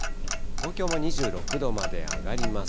東京も２６度まで上がります。